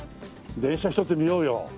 電車１つ見ようよ。